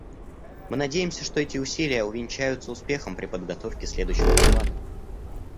Мы надеемся, что эти усилия увенчаются успехом при подготовке следующего доклада.